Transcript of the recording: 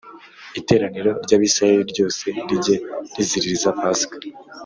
Iteraniro ry Abisirayeli ryose rijye riziririza Pasika